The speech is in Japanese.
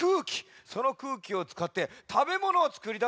そのくうきをつかってたべものをつくりだすことができるんじゃ。